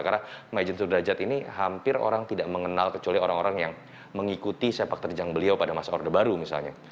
karena majen sudrajat ini hampir orang tidak mengenal kecuali orang orang yang mengikuti sepak terjang beliau pada masa orde baru misalnya